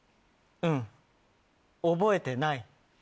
うん覚えてない。